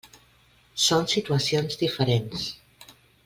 Són situacions diferents.